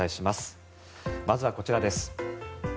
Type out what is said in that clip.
まずはこちらです。